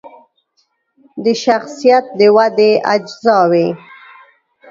د شخصیت د ودې اجزاوې